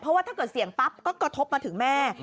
เพราะว่าถ้าเกิดเสี่ยงปั๊บก็กระทบมาถึงแม่